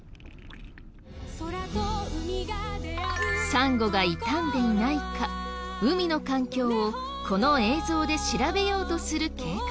サンゴが傷んでいないか海の環境をこの映像で調べようとする計画。